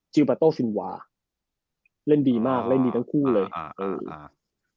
มาโต้ซินวาเล่นดีมากเล่นดีทั้งคู่เลยอ่าเอออ่า